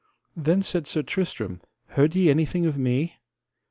Then said Sir Tristram: Heard ye anything of me?